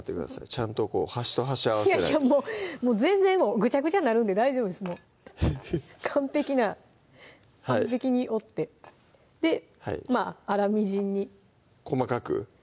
ちゃんと端と端合わせないと全然もうグチャグチャなるんで大丈夫ですもう完璧な完璧に折ってでまぁ粗みじんに細かく？